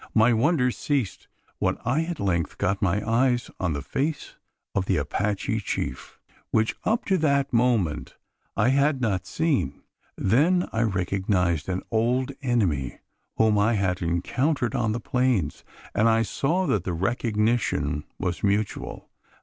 My wonders ceased, when I at length got my eyes on the face of the Apache chief which up to that moment I had not seen. Then I recognised an old enemy, whom I had encountered on the plains; and I saw that the recognition was mutual.